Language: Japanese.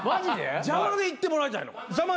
邪魔で行ってもらいたいの？